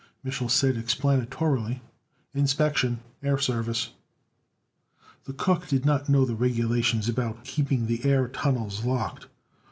Mich'l said explanatorily: "Inspection, air service." The cook did not know the regulations about keeping the air tunnels locked.